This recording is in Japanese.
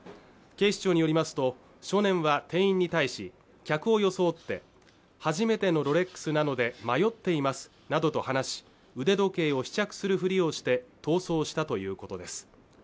警視庁によりますと少年は店員に対し客を装って初めてのロレックスなので迷っていますなどと話し腕時計を試着するふりをして逃走したということです